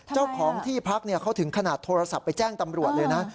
เจ้าของที่พักเขาถึงขนาดโทรศัพท์ไปแจ้งตำรวจเลยนะ